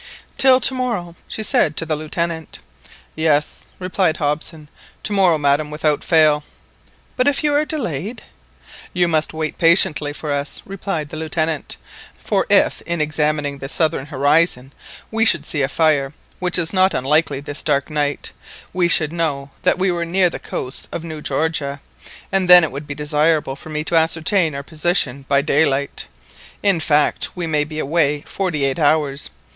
"Till to morrow," she said to the Lieutenant. "Yes," replied Hobson, "to morrow, madam, without fail." "But if you are delayed?" "You must wait patiently for us," replied the Lieutenant, "for if in examining the southern horizon we should see a fire, which is not unlikely this dark night, we should know that we were near the coasts of New Georgia, and then it would be desirable for me to ascertain our position by daylight. In fact, we may be away forty eight hours.